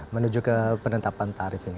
menuju ke penetapan tarif ini